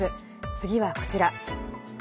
次はこちら。